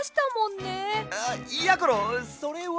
あっやころそれは。